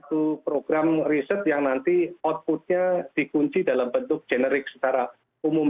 satu program riset yang nanti outputnya dikunci dalam bentuk generik secara umum